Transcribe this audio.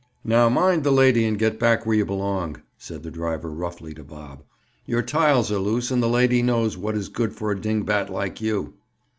"Now mind the lady and get back where you belong," said the driver roughly to Bob. "Your tiles are loose, and the lady knows what is good for a dingbat like you."